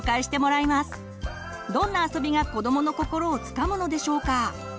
どんなあそびが子どもの心をつかむのでしょうか？